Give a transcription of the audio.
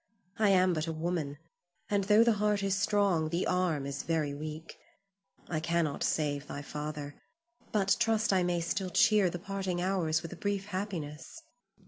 I am but a woman, and tho' the heart is strong, the arm is very weak. I cannot save thy father, but trust I may still cheer the parting hours with a brief happiness.